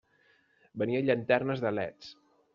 Venia llanternes de leds.